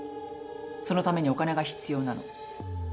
そのためにお金が必要なの。